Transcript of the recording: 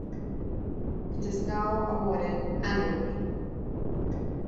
It is now awarded annually.